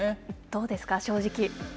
どうですか、正直。